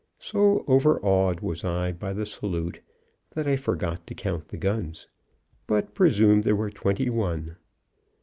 So overawed was I by the salute that I forgot to count the guns, but presume there were twenty one.